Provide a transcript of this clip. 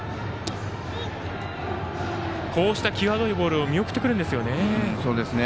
こうした際どいボールを見送ってくるんですよね。